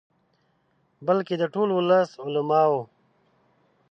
بلکې د ټول ولس، علماؤ.